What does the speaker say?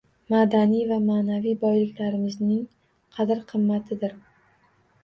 Madaniy va ma’naviy boyliklarimizning qadr-qimmati dir.